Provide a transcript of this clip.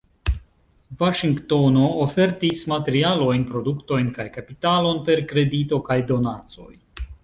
Vaŝingtono ofertis materialojn, produktojn kaj kapitalon per kredito kaj donacoj.